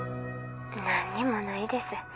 何にもないです。